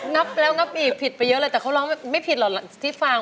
นับแล้วงับอีกผิดไปเยอะเลยแต่เขาร้องไม่ผิดหรอกที่ฟัง